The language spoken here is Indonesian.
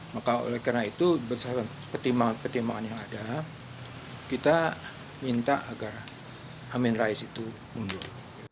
maka oleh karena itu bersama pertimbangan pertimbangan yang ada kita minta agar amin rais itu mundur